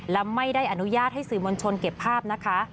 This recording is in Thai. และไม่ได้อนุญาตให้สื่อมวลชนเก็บภาพนะคะ